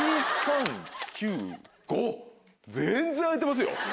全然空いてますよ。